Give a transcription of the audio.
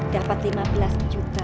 dapat lima belas juta